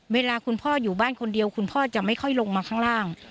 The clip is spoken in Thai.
เวลาคุณพ่ออยู่บ้านคนเดียวคุณพ่อจะไม่ค่อยลงมาข้างล่าง